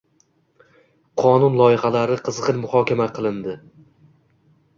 Qonun loyihalari qizg‘in muhokama qilinding